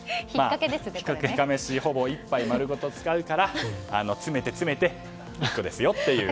イカめしほぼいっぱい丸ごと使うから詰めて詰めて、１個ですよという。